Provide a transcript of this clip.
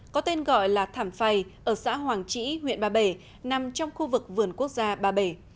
có tên gọi là thảm phày ở xã hoàng trĩ huyện ba bể nằm trong khu vực vườn quốc gia ba bể